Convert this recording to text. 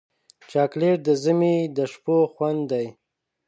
چاکلېټ د ژمي د شپو خوند دی.